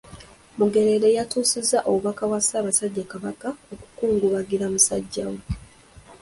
Mugerere yatuusizza obubaka bwa Ssaabasajja Kabaka obukungubagira musajja we.